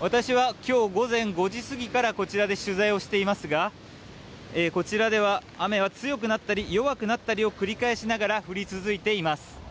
私は今日午前５時過ぎからこちらで取材をしていますがこちらでは雨は強くなったり弱くなったりを繰り返しながら降り続いています。